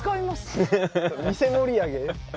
店盛り上げ？